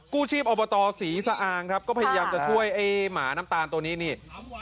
กู้ชีพอบตศรีสะอางครับก็พยายามจะช่วยไอ้หมาน้ำตาลตัวนี้นี่